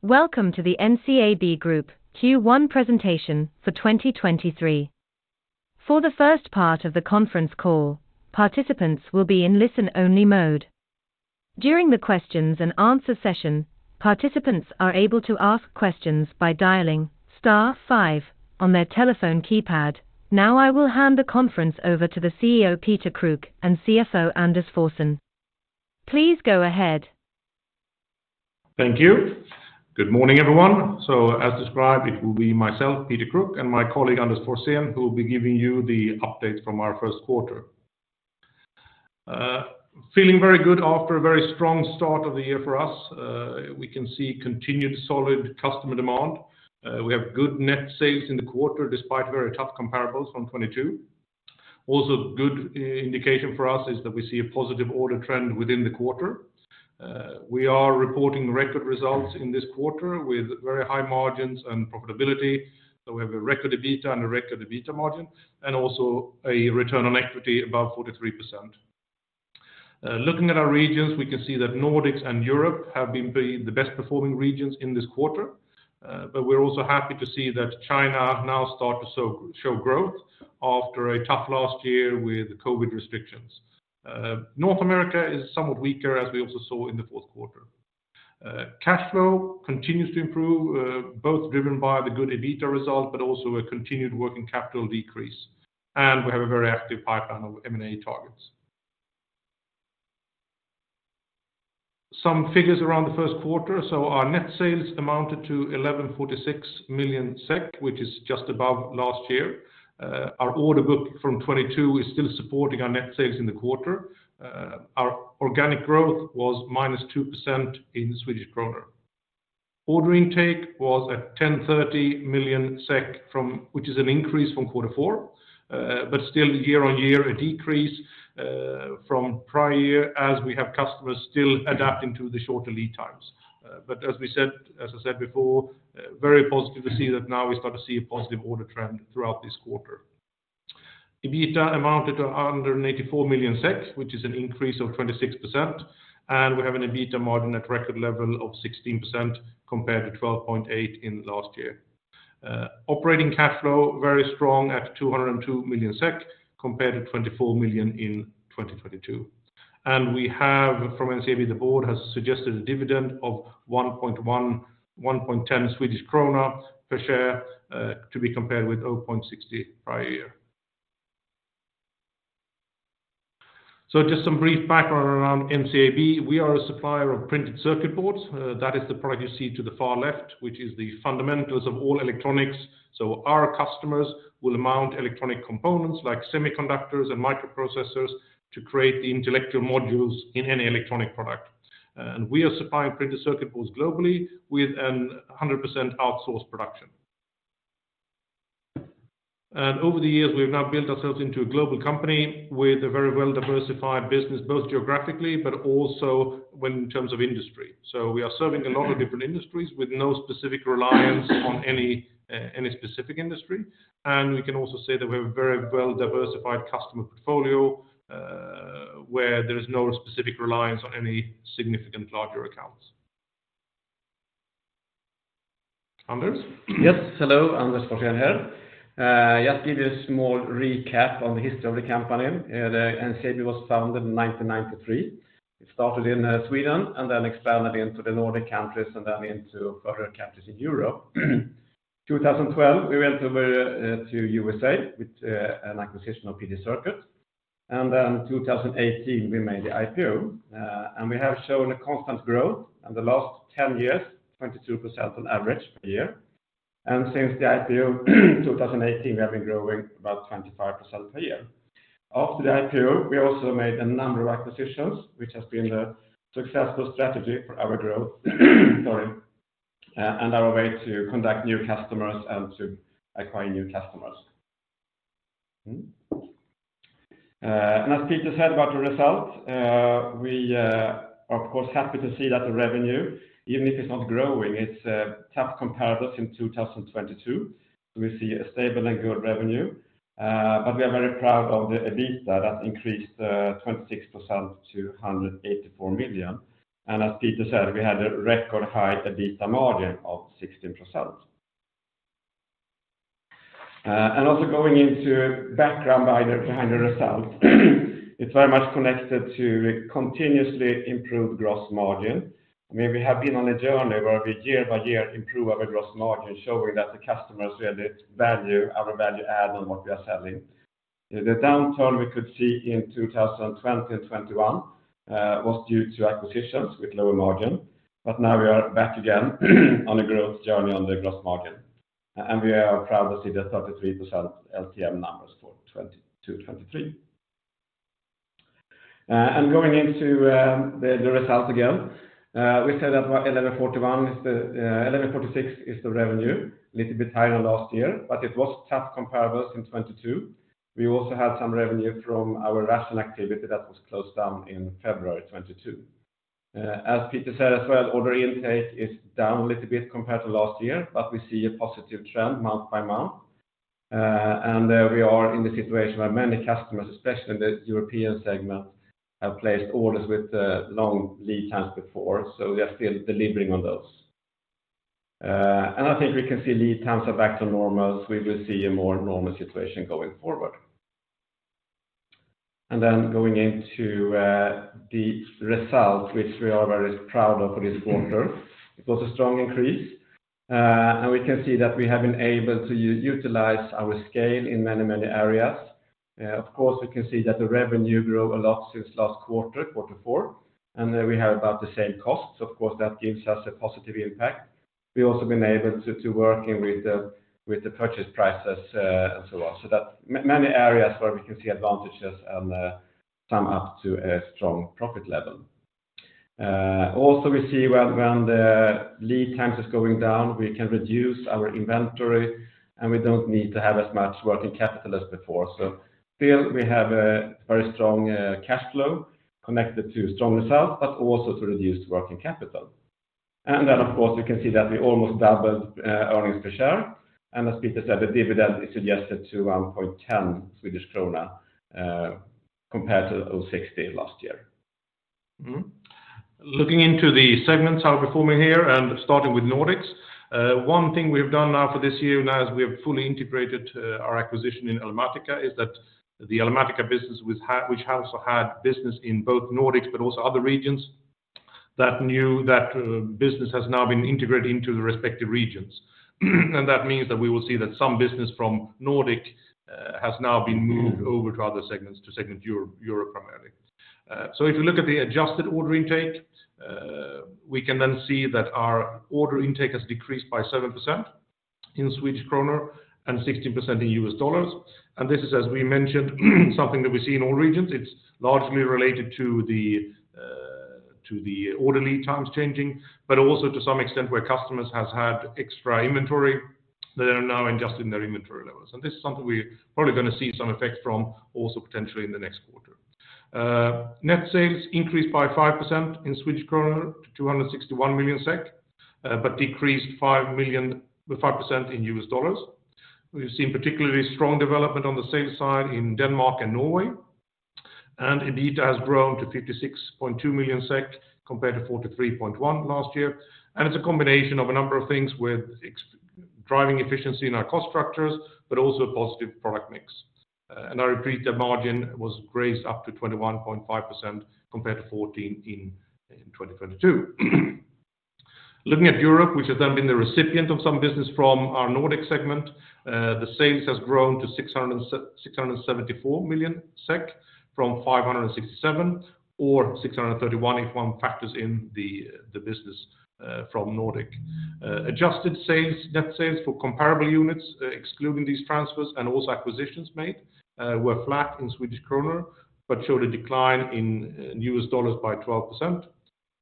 Welcome to the NCAB Group Q1 presentation for 2023. For the first part of the conference call, participants will be in listen-only mode. During the questions and answer session, participants are able to ask questions by dialing star five on their telephone keypad. I will hand the conference over to the CEO, Peter Kruk, and CFO, Anders Forsén. Please go ahead. Thank you. Good morning, everyone. As described, it will be myself, Peter Kruk, and my colleague, Anders Forsén, who will be giving you the updates from our first quarter. Feeling very good after a very strong start of the year for us. We can see continued solid customer demand. We have good net sales in the quarter despite very tough comparables from 2022. Also good indication for us is that we see a positive order trend within the quarter. We are reporting record results in this quarter with very high margins and profitability. We have a record EBITDA and a record EBITDA margin and also a return on equity above 43%. Looking at our regions, we can see that Nordics and Europe have been the best performing regions in this quarter. We're also happy to see that China now start to show growth after a tough last year with the COVID restrictions. North America is somewhat weaker as we also saw in the fourth quarter. Cash flow continues to improve, both driven by the good EBITDA result, also a continued working capital decrease. We have a very active pipeline of M&A targets. Some figures around the first quarter. Our net sales amounted to 1,146 million SEK, which is just above last year. Our order book from 2022 is still supporting our net sales in the quarter. Our organic growth was -2% in Swedish krona. Order intake was at 1,030 million SEK, which is an increase from quarter four, still year-on-year, a decrease from prior year as we have customers still adapting to the shorter lead times. As I said before, very positive to see that now we start to see a positive order trend throughout this quarter. EBITDA amounted to 184 million SEK, which is an increase of 26%, and we have an EBITDA margin at record level of 16% compared to 12.8 in last year. Operating cash flow very strong at 202 million SEK compared to 24 million in 2022. We have from NCAB, the board has suggested a dividend of 1.10 Swedish krona per share, to be compared with 0.60 prior year. Just some brief background around NCAB. We are a supplier of printed circuit boards. That is the product you see to the far left, which is the fundamentals of all electronics. Our customers will mount electronic components like semiconductors and microprocessors to create the intellectual modules in any electronic product. We are supplying printed circuit boards globally with a 100% outsourced production. Over the years, we've now built ourselves into a global company with a very well-diversified business, both geographically but also when in terms of industry. We are serving a lot of different industries with no specific reliance on any specific industry. We can also say that we have a very well-diversified customer portfolio, where there is no specific reliance on any significant larger accounts. Anders? Yes. Hello, Anders Forsén here. Just give you a small recap on the history of the company. The NCAB was founded in 1993. It started in Sweden and then expanded into the Nordic countries and then into further countries in Europe. 2012, we went over to USA with an acquisition of PD Circuits. 2018, we made the IPO. We have shown a constant growth in the last 10 years, 22% on average per year. Since the IPO, 2018, we have been growing about 25% per year. After the IPO, we also made a number of acquisitions, which has been a successful strategy for our growth, sorry, and our way to conduct new customers and to acquire new customers. Mm-hmm. As Peter said about the result, we are of course, happy to see that the revenue, even if it's not growing, it's tough comparables in 2022. We see a stable and good revenue. We are very proud of the EBITDA that increased 26% to 184 million. As Peter said, we had a record high EBITDA margin of 16%. Also going into background behind the results, it's very much connected to continuously improved gross margin. I mean, we have been on a journey where we year by year improve our gross margin, showing that the customers really value our value add on what we are selling. The downturn we could see in 2020 and 2021 was due to acquisitions with lower margin. Now we are back again on a growth journey on the gross margin. We are proud to see the 33% LTM numbers for 2022-2023. Going into the results again, we said that 1,141 is the 1,146 is the revenue, little bit higher than last year, but it was tough comparables in 2022. We also had some revenue from our Russian activity that was closed down in February 2022. As Peter said as well, order intake is down a little bit compared to last year, but we see a positive trend month by month. We are in the situation where many customers, especially in the European segment, have placed orders with long lead times before. We are still delivering on those. I think we can see lead times are back to normal. We will see a more normal situation going forward. Going into the results, which we are very proud of for this quarter. It was a strong increase, and we can see that we have been able to utilize our scale in many areas. Of course, we can see that the revenue grew a lot since last quarter four, and then we have about the same costs. That gives us a positive impact. We also have been able to working with the purchase prices, and so on. Many areas where we can see advantages and sum up to a strong profit level. Also we see when the lead times is going down, we can reduce our inventory, and we don't need to have as much working capital as before. Still, we have a very strong cash flow connected to strong results, but also to reduced working capital. Of course, you can see that we almost doubled earnings per share. As Peter said, the dividend is suggested to 1.10 Swedish krona compared to 0.60 last year. Looking into the segments are performing here and starting with Nordics. One thing we've done now for this year now is we have fully integrated our acquisition in Elmatica, that the Elmatica business which has had business in both Nordics but also other regions that knew that business has now been integrated into the respective regions. That means that we will see that some business from Nordic has now been moved over to other segments, to segment Europe primarily. If you look at the adjusted order intake, we can then see that our order intake has decreased by 7% in Swedish krona and 16% in U.S. dollars. This is, as we mentioned, something that we see in all regions. It's largely related to the to the order lead times changing, but also to some extent where customers has had extra inventory that are now adjusting their inventory levels. This is something we're probably gonna see some effect from also potentially in the next quarter. Net sales increased by 5% in Swedish krona to 261 million SEK, but decreased 5% in U.S. dollars. We've seen particularly strong development on the sales side in Denmark and Norway. EBITDA has grown to 56.2 million SEK compared to 43.1 last year. It's a combination of a number of things with driving efficiency in our cost structures, but also a positive product mix. I repeat, the margin was raised up to 21.5% compared to 14% in 2022. Looking at Europe, which has then been the recipient of some business from our Nordic segment, the sales has grown to 674 million SEK from 567 SEK or 631 SEK if one factors in the business from Nordic. Adjusted sales, net sales for comparable units, excluding these transfers and also acquisitions made, were flat in Swedish krona, but showed a decline in U.S. dollars by 12%.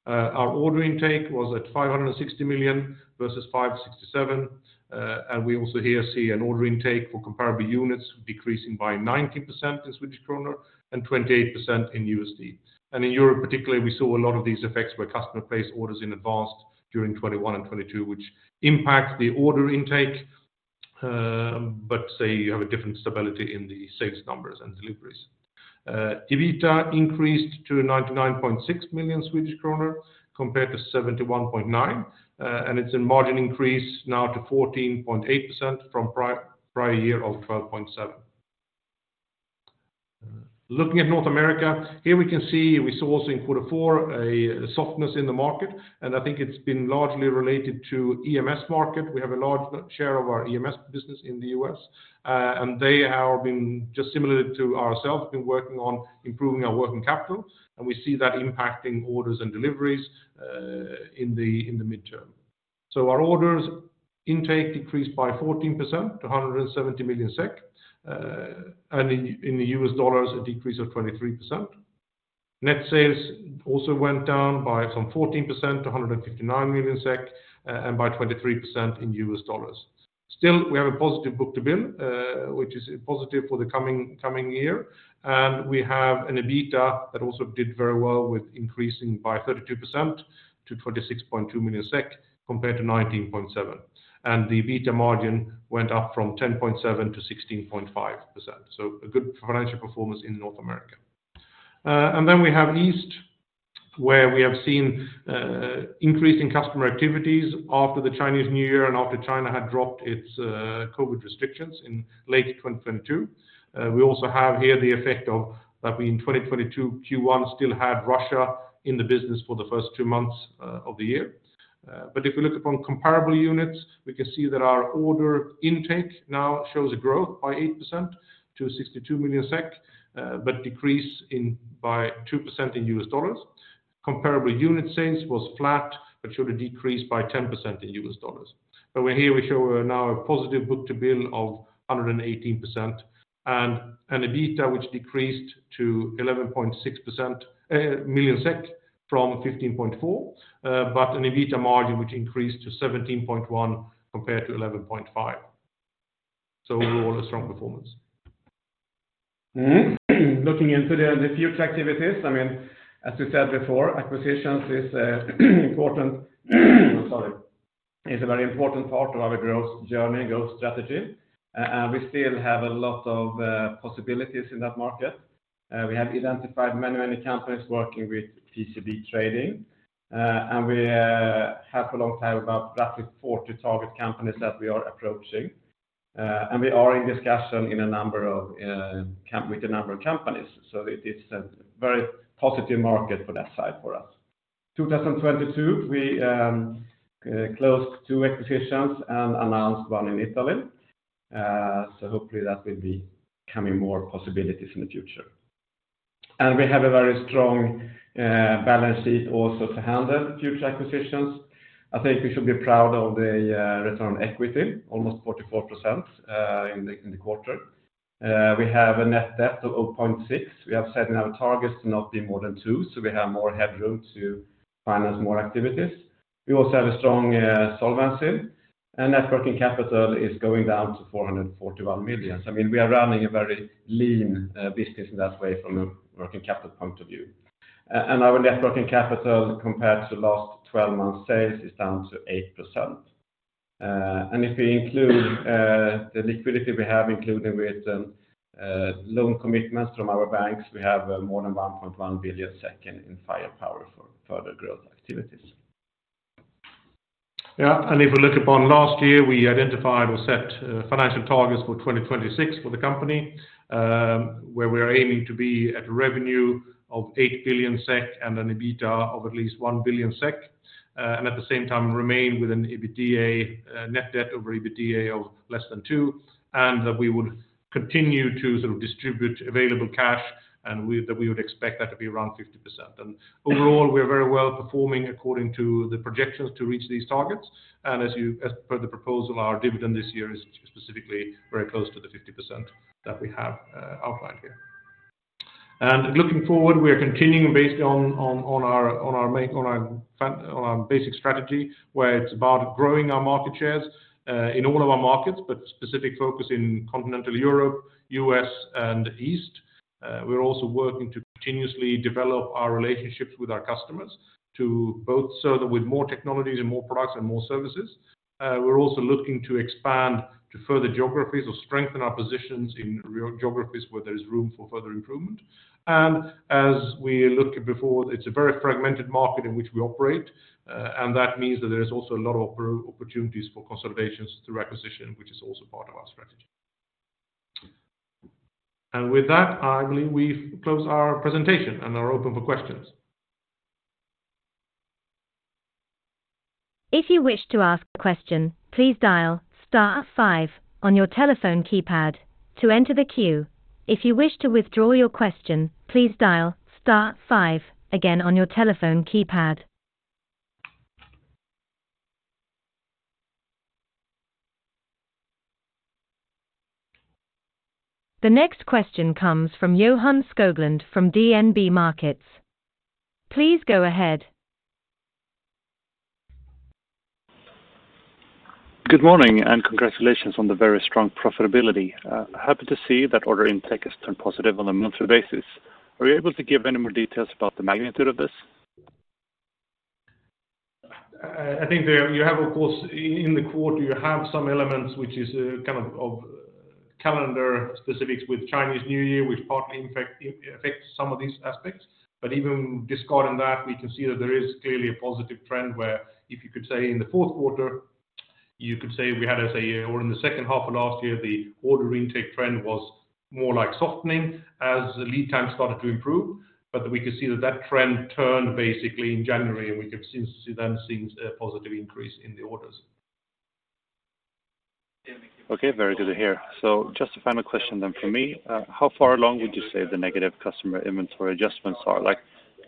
Our order intake was at 560 million SEK versus 567 SEK. We also here see an order intake for comparable units decreasing by 19% in Swedish krona and 28% in USD. In Europe, particularly, we saw a lot of these effects where customer placed orders in advance during 2021 and 2022, which impacts the order intake, but say you have a different stability in the sales numbers and deliveries. EBITDA increased to 99.6 million Swedish kronor compared to 71.9. It's a margin increase now to 14.8% from prior year of 12.7%. Looking at North America, here we can see we saw also in Q4 a softness in the market, and I think it's been largely related to EMS market. We have a large share of our EMS business in the U.S., and they have been just similar to ourselves, been working on improving our net working capital, and we see that impacting orders and deliveries in the midterm. Our order intake decreased by 14% to 170 million SEK, and in U.S. dollars, a decrease of 23%. Net sales also went down by from 14% to 159 million SEK and by 23% in U.S. dollars. Still, we have a positive book-to-bill, which is positive for the coming year. We have an EBITDA that also did very well with increasing by 32% to 26.2 million SEK compared to 19.7 million. The EBITDA margin went up from 10.7%-16.5%. A good financial performance in North America. Then we have East, where we have seen increase in customer activities after the Chinese New Year and after China had dropped its COVID restrictions in late 2022. We also have here the effect of that we in 2022 Q1 still had Russia in the business for the first two months of the year. If we look upon comparable units, we can see that our order intake now shows a growth by 8% to 62 million SEK, but decrease in by 2% in U.S. dollars. Comparable unit sales was flat, but showed a decrease by 10% in U.S. dollars. We're here, we show now a positive book-to-bill of 118% and an EBITDA which decreased to 11.6% million SEK from 15.4, but an EBITDA margin which increased to 17.1% compared to 11.5%. Overall a strong performance. looking for innovative solutions in the PCB market. This could be a game-changer for them." A: "Absolutely. Speaking of NCAB Group, I was just reviewing their latest financial report. Their return on equity for Q1 2023 was 43.8%, which is quite strong." B: "Wow, that's an impressive figure. It shows their robust profitability and efficient use of shareholder funds. I remember Peter Kruk, their President and CEO, mentioning their focus on sustainable growth during the Capital Markets Day." A: "Indeed. And Anders Forsén, their CFO, highlighted their strong balance sheet and strategic acquisitions as key drivers. They've been actively consolidating the PCB trading market." B: "That's right. I recall Robert Redin from Carnegie discussing their acquisition strategy. They've successfully integrated several companies, like PD Circuits back in 2012, and more recently, they announced an acquisition in Italy." A: "Yes, they're definitely expanding their global footprint. Their order intake, however, has seen some fluctuations. In Swedish krona, it decrease I think we should be proud of the return on equity, almost 44% in the quarter. We have a net debt of 0.6. We have set our targets to not be more than two, so we have more headroom to finance more activities. We also have a strong solvency, and net working capital is going down to 441 million. I mean, we are running a very lean business in that way from a working capital point of view. Our net working capital compared to last twelve months sales is down to 8%. If we include the liquidity we have included with loan commitments from our banks, we have more than 1.1 billion in firepower for further growth activities. If we look upon last year, we identified or set financial targets for 2026 for the company, where we are aiming to be at revenue of 8 billion SEK and an EBITDA of at least 1 billion SEK, and at the same time remain within EBITDA, net debt over EBITDA of less than two, and that we would continue to sort of distribute available cash and that we would expect that to be around 50%. Overall, we are very well performing according to the projections to reach these targets. As per the proposal, our dividend this year is specifically very close to the 50% that we have outlined here. Looking forward, we are continuing based on our basic strategy, where it's about growing our market shares in all of our markets, but specific focus in continental Europe, U.S., and East. We're also working to continuously develop our relationships with our customers to both serve them with more technologies and more products and more services. We're also looking to expand to further geographies or strengthen our positions in real geographies where there is room for further improvement. As we looked at before, it's a very fragmented market in which we operate, and that means that there is also a lot of opportunities for consolidations through acquisition, which is also part of our strategy. With that, I believe we close our presentation and are open for questions. If you wish to ask a question, please dial star five on your telephone keypad to enter the queue. If you wish to withdraw your question, please dial star five again on your telephone keypad. The next question comes from Johan Skoglund from DNB Markets. Please go ahead. Good morning, congratulations on the very strong profitability. Happy to see that order intake has turned positive on a monthly basis. Are you able to give any more details about the magnitude of this? I think there you have, of course, in the quarter, you have some elements which is kind of calendar specifics with Chinese New Year, which partly affects some of these aspects. Even discarding that, we can see that there is clearly a positive trend where if you could say in the fourth quarter, you could say we had a or in the second half of last year, the order intake trend was more like softening as the lead time started to improve. We can see that that trend turned basically in January, We can see then since a positive increase in the orders. Okay. Very good to hear. Just a final question for me. How far along would you say the negative customer inventory adjustments are? Like,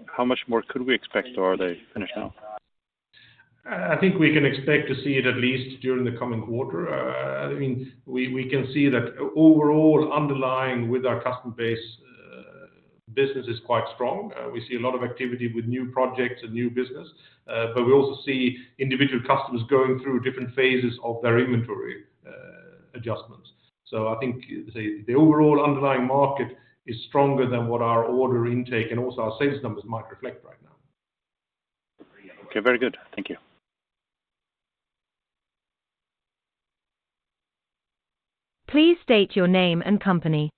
how much more could we expect or are they finished now? I think we can expect to see it at least during the coming quarter. I mean, we can see that overall underlying with our customer base, business is quite strong. We see a lot of activity with new projects and new business, but we also see individual customers going through different phases of their inventory, adjustments. I think the overall underlying market is stronger than what our order intake and also our sales numbers might reflect right now. Okay. Very good. Thank you. Please state your name and company.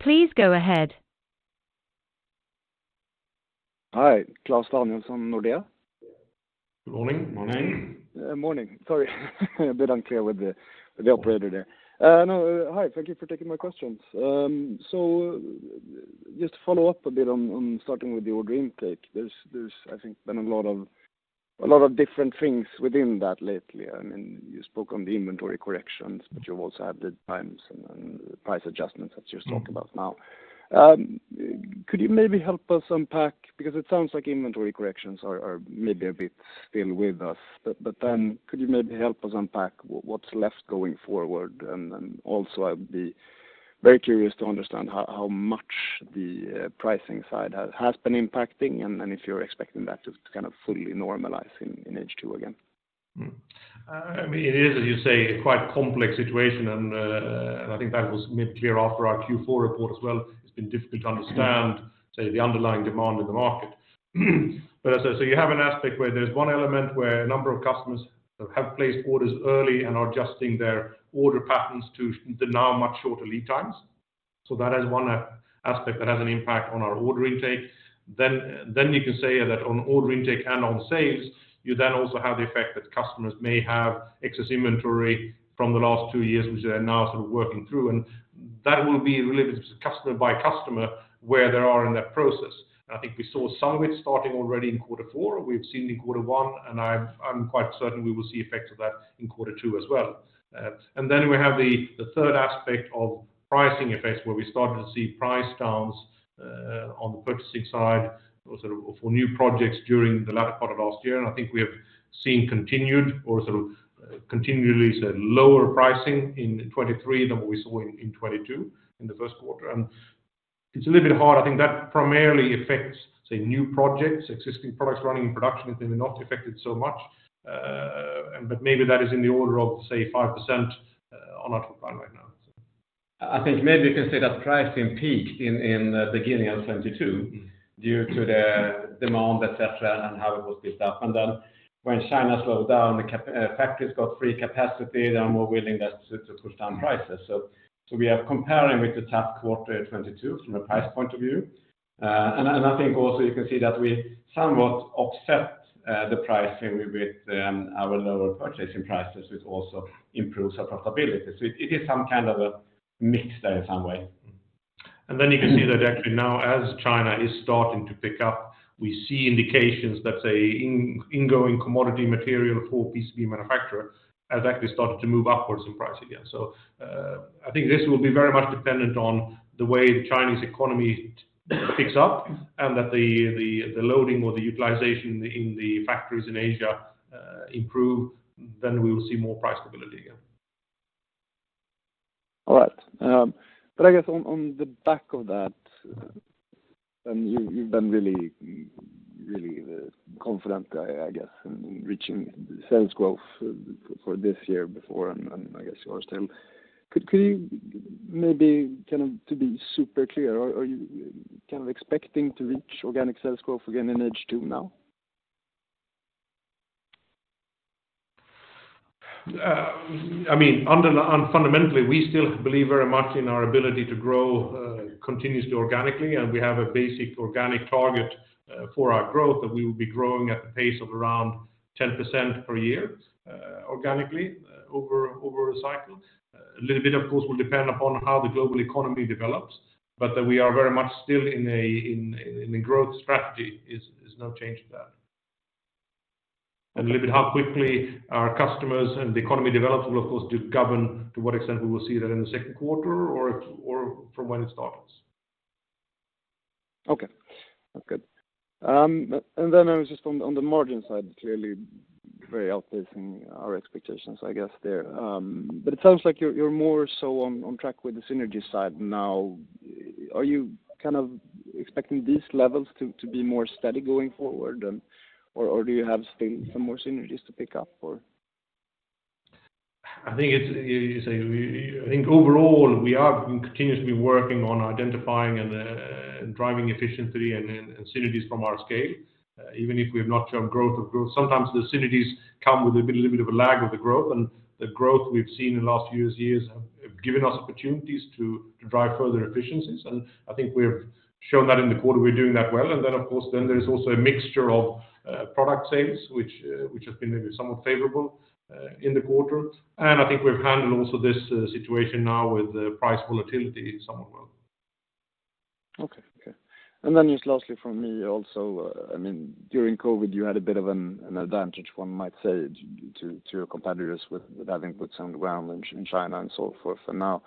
Please go ahead. Hi, Klas Danielsson, Nordea. Good morning. Morning. Sorry. A bit unclear with the operator there. No. Hi, thank you for taking my questions. Just to follow up a bit on starting with the order intake, there's, I think, been a lot of different things within that lately. I mean, you spoke on the inventory corrections, You also have the times and price adjustments that you spoke about now. Could you maybe help us unpack because it sounds like inventory corrections are maybe a bit still with us, but then could you maybe help us unpack what's left going forward? Also I'd be very curious to understand how much the pricing side has been impacting and if you're expecting that to kind of fully normalize in H2 again. I mean, it is, as you say, a quite complex situation, and I think that was made clear after our Q4 report as well. It's been difficult to understand, say, the underlying demand in the market. As I say, you have an aspect where there's one element where a number of customers have placed orders early and are adjusting their order patterns to the now much shorter lead times. That is one aspect that has an impact on our order intake. You can say that on order intake and on sales, you then also have the effect that customers may have excess inventory from the last two years, which they are now sort of working through. That will be really customer by customer, where they are in that process. I think we saw some of it starting already in quarter four, we've seen in quarter one, and I'm quite certain we will see effects of that in quarter two as well. Then we have the third aspect of pricing effects, where we started to see price downs, on the purchasing side or sort of for new projects during the latter part of last year. I think we have seen continued or sort of, continually say lower pricing in 2023 than what we saw in 2022, in the first quarter. It's a little bit hard. I think that primarily affects, say, new projects. Existing products running in production have been not affected so much. But maybe that is in the order of, say, 5%, on order intake right now, so. I think maybe you can say that pricing peaked in the beginning of 2022 due to the demand, et cetera, and how it was built up. When China slowed down, the factories got free capacity, they were more willing just to push down prices. We are comparing with the tough quarter 2022 from a price point of view. I think also you can see that we somewhat offset the pricing with our lower purchasing prices, which also improves our profitability. It is some kind of a mix there in some way. You can see that actually now as China is starting to pick up, we see indications that say in-ingoing commodity material for PCB manufacturer has actually started to move upwards in price again. I think this will be very much dependent on the way the Chinese economy picks up and that the loading or the utilization in the factories in Asia improve, then we will see more price stability again. All right. I guess on the back of that, you've been really the confident guy, I guess, in reaching sales growth for this year before and I guess it was still. Could you maybe kind of to be super clear, are you kind of expecting to reach organic sales growth again in H2 now? I mean, fundamentally, we still believe very much in our ability to grow, continuously organically, and we have a basic organic target for our growth, that we will be growing at a pace of around 10% per year, organically over a cycle. A little bit, of course, will depend upon how the global economy develops, but that we are very much still in a growth strategy is no change to that. A little bit how quickly our customers and the economy develops will of course do govern to what extent we will see that in the second quarter or if from when it starts. Okay. That's good. I was just on the margin side, clearly very outpacing our expectations, I guess, there. It sounds like you're more so on track with the synergy side now. Are you kind of expecting these levels to be more steady going forward and, or do you have still some more synergies to pick up or? I think it's a I think overall, we are continuously working on identifying and driving efficiency and synergies from our scale, even if we have not shown growth of growth. Sometimes the synergies come with a little bit of a lag of the growth, and the growth we've seen in the last few years have given us opportunities to drive further efficiencies. I think we've shown that in the quarter, we're doing that well. Then, of course, then there's also a mixture of product sales, which has been maybe somewhat favorable in the quarter. I think we've handled also this situation now with the price volatility somewhat well. Okay. Okay. Just lastly from me also, I mean, during COVID, you had a bit of an advantage, one might say, to your competitors with having boots on the ground in China and so forth. Now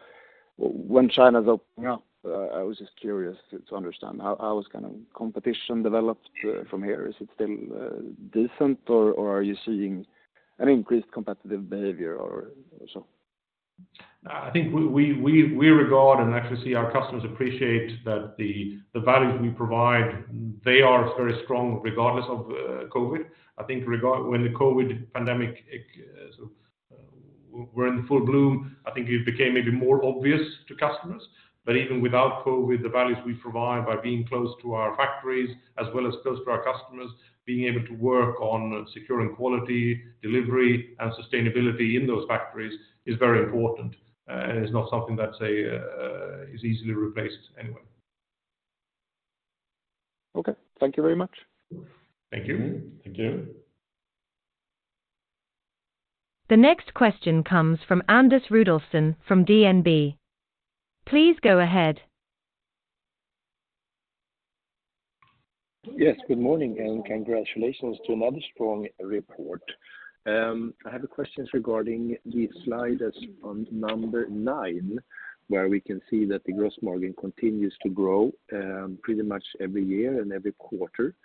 when China's opening up, I was just curious to understand how is kind of competition developed from here? Is it still decent or are you seeing an increased competitive behavior or so? I think we regard and actually see our customers appreciate that the values we provide, they are very strong regardless of COVID. I think when the COVID pandemic, sort of were in full bloom, I think it became maybe more obvious to customers. But even without COVID, the values we provide by being close to our factories as well as close to our customers, being able to work on securing quality, delivery, and sustainability in those factories is very important, and is not something that, say, is easily replaced anyway. Okay. Thank you very much. Thank you. Thank you. The next question comes from Anders Rudolfsson from DNB. Please go ahead. Yes, good morning. Congratulations to another strong report. I have a question regarding the slide that's on number 9, where we can see that the gross margin continues to grow pretty much every year and every quarter.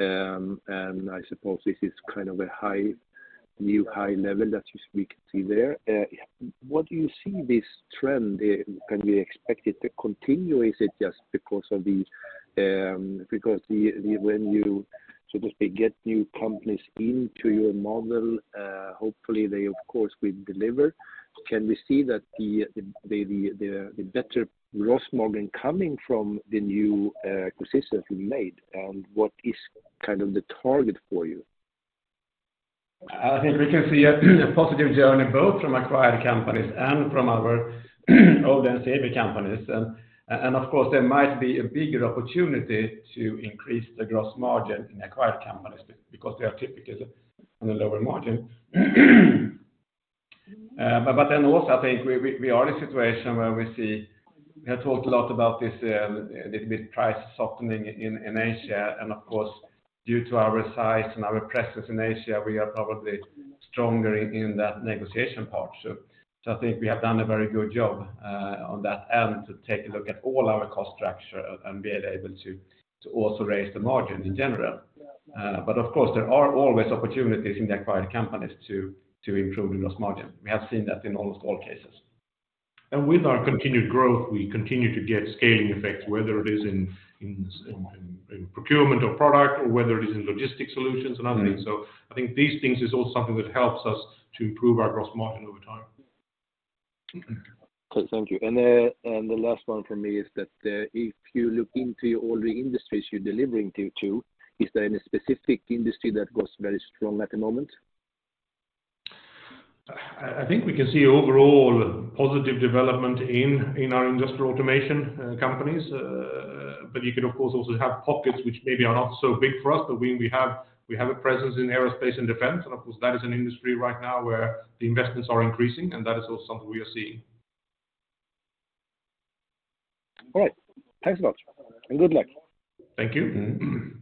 I suppose this is kind of a high, new high level that we can see there. What do you see this trend, can we expect it to continue? Is it just because of these? Because the when you, so to speak, get new companies into your model, hopefully they of course will deliver. Can we see that the better gross margin coming from the new acquisitions you made, and what is kind of the target for you? I think we can see a positive journey both from acquired companies and from our older SAB companies. Of course, there might be a bigger opportunity to increase the gross margin in acquired companies because they are typically on a lower margin. Also I think we are in a situation. We have talked a lot about this price softening in Asia, and of course, due to our size and our presence in Asia, we are probably stronger in that negotiation part. I think we have done a very good job on that end to take a look at all our cost structure and being able to also raise the margin in general. Of course, there are always opportunities in the acquired companies to improve the gross margin. We have seen that in almost all cases. With our continued growth, we continue to get scaling effects, whether it is in procurement or product or whether it is in logistic solutions and other things. I think these things is also something that helps us to improve our gross margin over time. Okay. Thank you. The last one from me is that if you look into all the industries you're delivering to, is there any specific industry that goes very strong at the moment? I think we can see overall positive development in our industrial automation companies. You can of course also have pockets which maybe are not so big for us. We have a presence in aerospace and defense. Of course, that is an industry right now where the investments are increasing, and that is also something we are seeing. All right. Thanks a lot, and good luck. Thank you.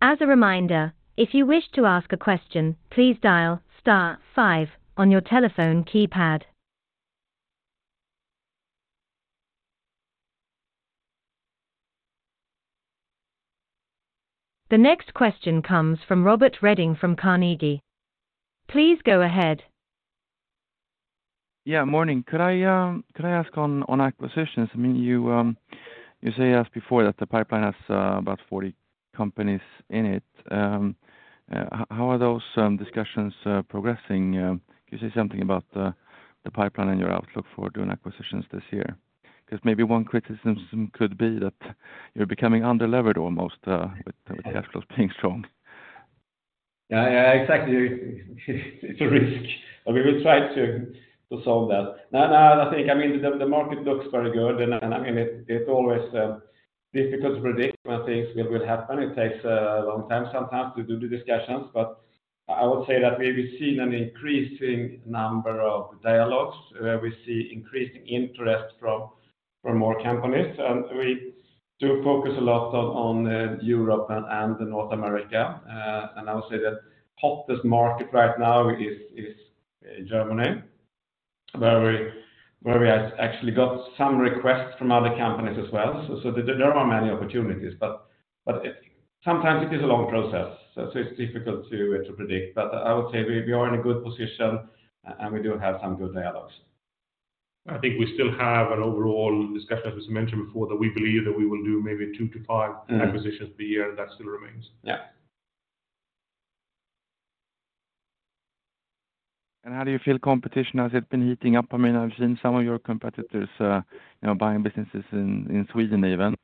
As a reminder, if you wish to ask a question, please dial star five on your telephone keypad. The next question comes from Robert Redin from Carnegie. Please go ahead. Morning. Could I ask on acquisitions? I mean, you say as before that the pipeline has about 40 companies in it. How are those discussions progressing? Can you say something about the pipeline and your outlook for doing acquisitions this year? Maybe one criticism could be that you're becoming underlevered almost, with the Swedish krona still being strong. Exactly. It's a risk, and we will try to solve that. I think, I mean, the market looks very good and I mean it always difficult to predict when things will happen. It takes a long time sometimes to do the discussions, but I would say that we've seen an increasing number of dialogues, we see increasing interest from more companies, and we do focus a lot on Europe and North America. And I would say the hottest market right now is Germany, where we have actually got some requests from other companies as well. There are many opportunities, but sometimes it is a long process, so it's difficult to predict. I would say we are in a good position, and we do have some good dialogues. I think we still have an overall discussion, as was mentioned before, that we believe that we will do maybe 2-5 acquisitions per year, that still remains. Yeah. How do you feel competition, has it been heating up? I mean, I've seen some of your competitors, you know, buying businesses in Sweden even,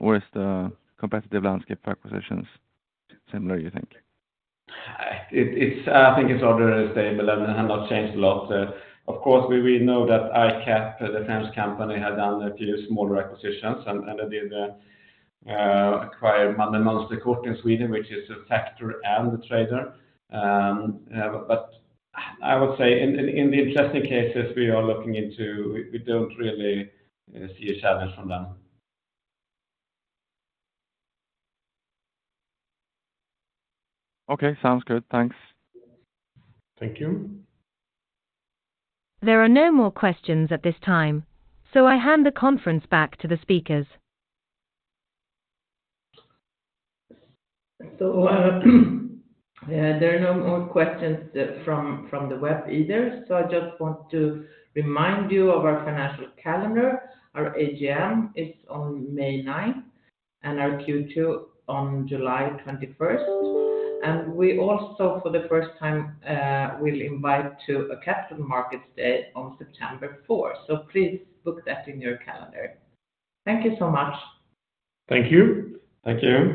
or is the competitive landscape for acquisitions similar, you think? It's, I think it's rather stable and have not changed a lot. Of course, we know that ICAPE, the French company, has done a few smaller acquisitions, and they did acquire Mønsted & Mannerstrøm in Sweden, which is a factor and a trader. I would say in the interesting cases we are looking into, we don't really see a challenge from them. Okay, sounds good. Thanks. Thank you. There are no more questions at this time, so I hand the conference back to the speakers. There are no more questions from the web either. I just want to remind you of our financial calendar. Our AGM is on May 9th, and our Q2 on July 21st. We also, for the first time, will invite to a Capital Markets Day on September 4th. Please book that in your calendar. Thank you so much. Thank you. Thank you.